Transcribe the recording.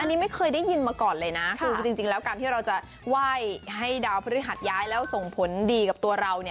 อันนี้ไม่เคยได้ยินมาก่อนเลยนะคือจริงแล้วการที่เราจะไหว้ให้ดาวพฤหัสย้ายแล้วส่งผลดีกับตัวเรา